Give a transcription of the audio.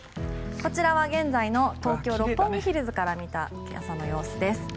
こちらは現在の東京・六本木ヒルズから見た今朝の様子です。